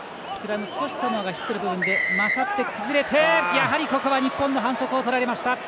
やはり、ここは日本の反則をとられました！